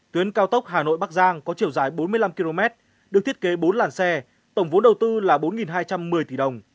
tuyến cao tốc hà nội bắc giang có chiều dài bốn mươi năm km được thiết kế bốn làn xe tổng vốn đầu tư là bốn hai trăm một mươi tỷ đồng